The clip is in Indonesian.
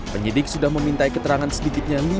penyidik sudah memintai keterangan sedikitnya